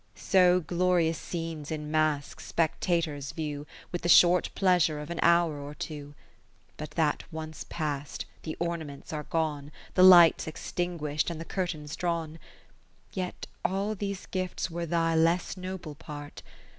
So glorious scenes in masques, spectators view With the short pleasure of an hour or two ; But that once past, the ornaments are gone. The lights extinguish'd, and the curtains drawn. Yet all these gifts were thy less noble part.